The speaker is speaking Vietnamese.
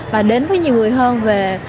và đến với nhiều người hơn về